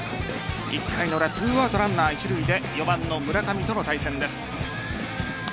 １回の裏２アウトランナー一塁で４番の村上との対戦です。